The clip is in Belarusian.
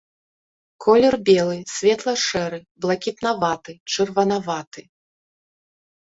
Колер белы, светла-шэры, блакітнаваты, чырванаваты.